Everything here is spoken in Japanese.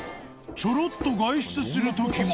ちょろっと外出する時も